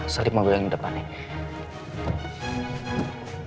selip mobil yang di depannya